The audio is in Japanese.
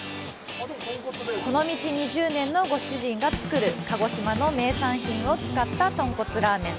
この道２０年のご主人が作る鹿児島の名産品を使ったとんこつラーメン。